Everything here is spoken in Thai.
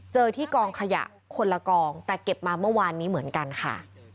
เจอที่กองขยะคนละกองแต่เก็บมาเมื่อวานนี้เหมือนกันค่ะ